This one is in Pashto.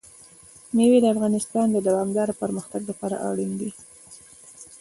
مېوې د افغانستان د دوامداره پرمختګ لپاره اړین دي.